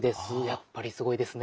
やっぱりすごいですね。